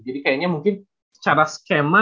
jadi kayaknya mungkin secara skema